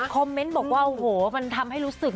เมนต์บอกว่าโอ้โหมันทำให้รู้สึก